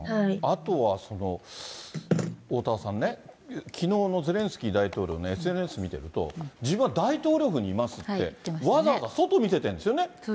あとはその、おおたわさんね、きのうのゼレンスキー大統領のＳＮＳ見ていると、自分は大統領府にいますって、わざわざ外見せてるんですよね。